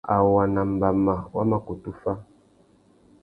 Awa nà mbama wa mà kutu fá.